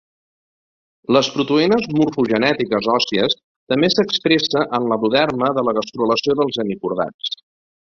Les proteïnes morfogenètiques òssies també s'expressa en l'endoderma de la gastrulació dels "hemicordats".